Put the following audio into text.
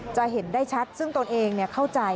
จะเห็นได้ชัดซึ่งตนเองเข้าใจ